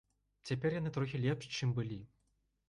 Цяпер яны трохі лепш, чым былі.